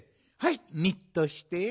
はいニッとして。